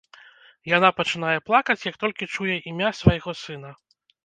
Яна пачынае плакаць, як толькі чуе імя свайго сына.